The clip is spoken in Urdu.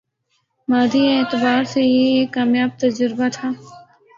مادی اعتبار سے یہ ایک کامیاب تجربہ تھا